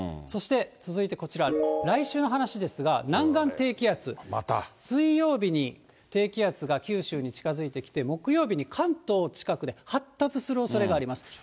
そして、続いてこちら、来週の話ですが、南岸低気圧、水曜日に低気圧が九州に近づいてきて、木曜日に関東近くで発達するおそれがあります。